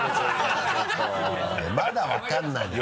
まだ分からないのよ